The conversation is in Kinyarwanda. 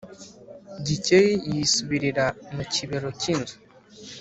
Gikeli yisubirira mu kibero cy’inzu.